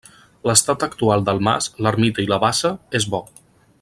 L’estat actual del mas, l’ermita i la bassa, és bo.